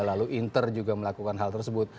lalu inter juga melakukan hal tersebut